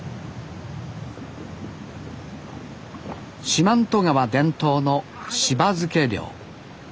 四万十川伝統の柴漬け漁。